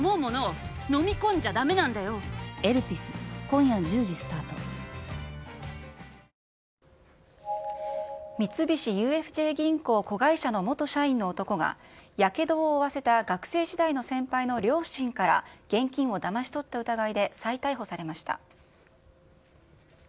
午前８時１５分ごろ、三菱ＵＦＪ銀行子会社の元社員の男が、やけどを負わせた学生時代の先輩の両親から現金をだまし取った疑いで再逮捕されました。